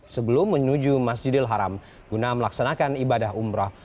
sebelum menuju masjidil haram guna melaksanakan ibadah umroh